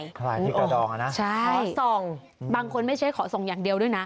คลายที่กระดองอ่ะนะขอส่องบางคนไม่ใช่ขอส่งอย่างเดียวด้วยนะ